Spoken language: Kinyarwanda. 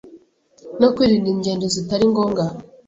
no kwirinda ingendo zitari ngombwa